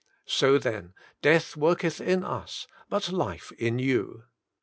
So then death worketh in us, but life in you.''